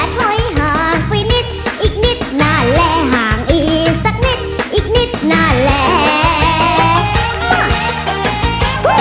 ถอยห่างไปนิดอีกนิดนานและห่างอีกสักนิดอีกนิดนานแล้ว